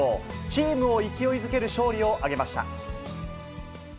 チームを勢いづける勝利を挙げました。